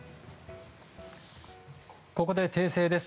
ここで訂正です。